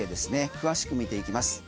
詳しく見ていきます。